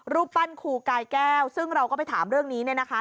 รูปปั้นครูกายแก้วซึ่งเราก็ไปถามเรื่องนี้เนี่ยนะคะ